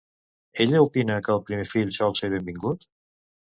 Ella opina que el primer fill sol ser benvingut?